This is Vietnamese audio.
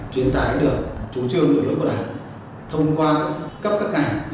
tuy nhiên việc truyền tải được chủ trương của đảng thông qua các cấp các ngành